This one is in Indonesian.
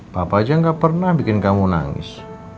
papa aja gak pernah bikin kamu nangis